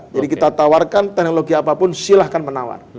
jadi kita tawarkan teknologi apapun silahkan menawar